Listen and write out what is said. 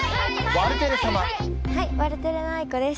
ワルテレのあいこです。